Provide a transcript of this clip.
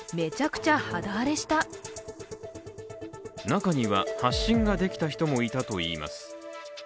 中には発疹ができた人もいたといいます。